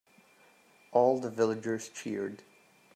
All the villagers cheered.